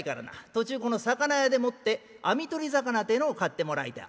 途中この魚屋でもって網取り魚てえのを買ってもらいたい」。